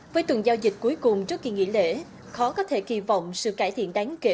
với tuần giao dịch cuối cùng trước kỳ nghỉ lễ khó có thể kỳ vọng sự cải thiện đáng kể